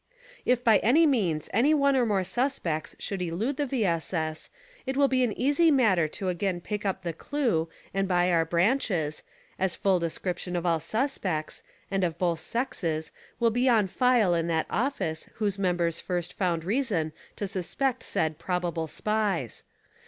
If by any means any one or more suspects should elude the V. S. S. it will be an easy matter to again pick up the clue and by our branches, as full description of all suspects, and of both sexes will be on file in that office whose members first found reason to suspect said probable SPIES.